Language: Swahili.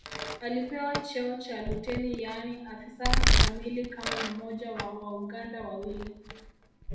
Alipewa cheo cha luteni yaani afisa kamili kama mmoja wa Wauganda wawili